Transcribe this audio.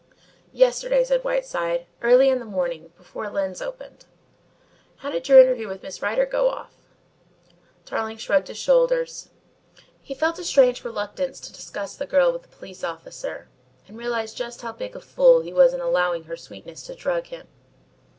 "Yesterday," said Whiteside, "early in the morning, before Lyne's opened. How did your interview with Miss Rider go off?" Tarling shrugged his shoulders. He felt a strange reluctance to discuss the girl with the police officer, and realised just how big a fool he was in allowing her sweetness to drug him.